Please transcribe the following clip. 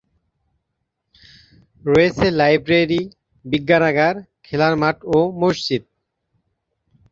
রয়েছে লাইব্রেরি, বিজ্ঞানাগার, খেলার মাঠ ও মসজিদ।